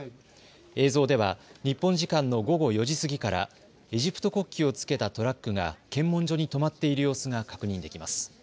映像では日本時間の午後４時過ぎからエジプト国旗をつけたトラックが検問所に止まっている様子が確認できます。